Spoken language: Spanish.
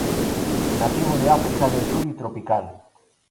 Nativo de África del sur y tropical.